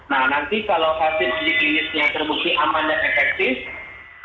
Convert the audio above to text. nah nanti kalau hasil uji klinisnya terbukti aman dan efektif